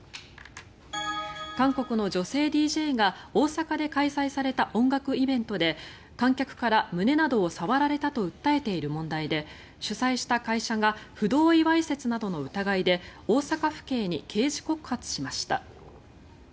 韓国の女性ＤＪが大阪で開催された音楽イベントで観客から胸などを触られたと訴えている問題で主催した会社が不同意わいせつなどの疑いで大阪府警に刑事告発しました。